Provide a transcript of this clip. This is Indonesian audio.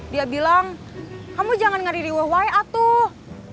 dia bilang kamu jangan ngeri di wya tuh